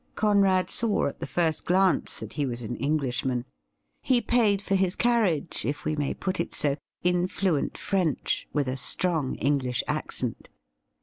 Conrad saw at the first glance that he was an Englishman. He paid for his carriage, if we may put it so, in fluent French, with a strong English accent.